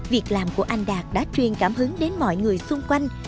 việc làm của anh đạt đã truyền cảm hứng đến mọi người xung quanh